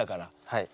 はい。